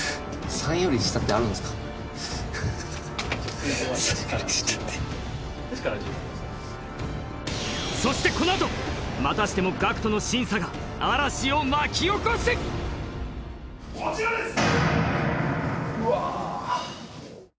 ３より下って１から１０までそしてこのあとまたしてもＧＡＣＫＴの審査が嵐を巻き起こすこちらですうわー